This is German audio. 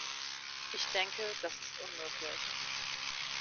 Ich denke, das ist unmöglich.